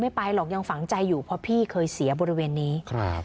ไปหรอกยังฝังใจอยู่เพราะพี่เคยเสียบริเวณนี้ครับ